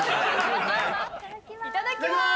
いただきます。